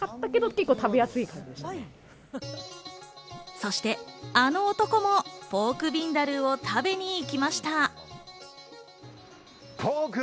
そして、あの男もポークビンダルーを食べに行きました。